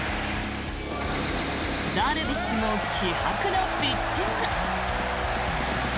ダルビッシュも気迫のピッチング。